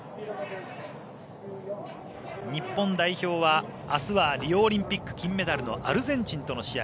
日本代表は明日はリオオリンピック金メダルのアルゼンチンとの試合。